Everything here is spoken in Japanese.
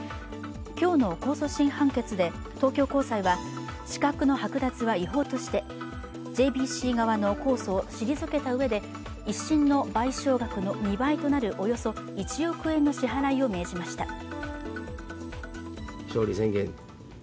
今日の控訴審判決で東京高裁は資格の剥奪は違法としてＪＢＣ側の控訴を退けたうえで１審の賠償額の２倍となるおよそ１億円の支払いを命じました。